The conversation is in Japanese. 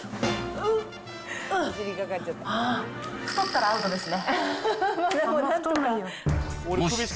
太ったらアウトですね。